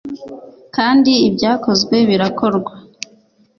kandi ibyakozwe birakorwa